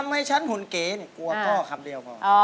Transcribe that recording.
มาฟังอินโทรเพลงที่๑๐